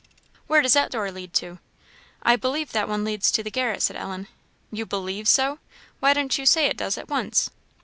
"Where does that door lead to?" "I believe that one leads to the garret," said Ellen. "You believe so? why don't you say it does, at once?"